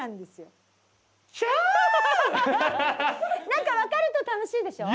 なんか分かると楽しいでしょ？